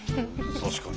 確かに。